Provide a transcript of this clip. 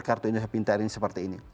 kartu indonesia pintar ini seperti ini